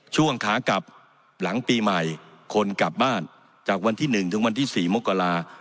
ช่วงขากลับหลังปีใหม่คนกลับบ้านจากวันที่๑ถึงวันที่๔มกรา